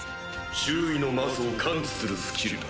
周囲の魔素を感知するスキルだ。